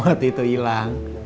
waktu itu hilang